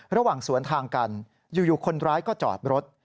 ระหว่างสวนทางกันอยู่คนร้ายก็จอดรถ